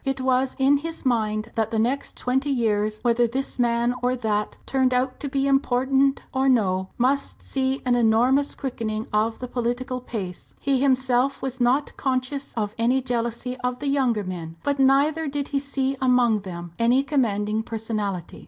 It was in his mind that the next twenty years, whether this man or that turned out to be important or no, must see an enormous quickening of the political pace. He himself was not conscious of any jealousy of the younger men; but neither did he see among them any commanding personality.